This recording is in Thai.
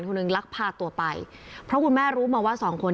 คนหนึ่งลักพาตัวไปเพราะคุณแม่รู้มาว่าสองคน